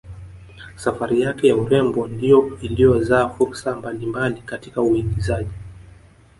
Safari yake ya urembo ndiyo iliyozaa fursa mbali mbali katika uigizaji